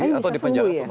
oh ini bisa sembuh ya